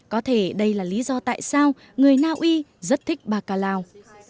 có thể đây là lý do tại sao người naui rất thích bạc ca lao